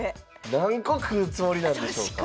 何個食うつもりなんでしょうか。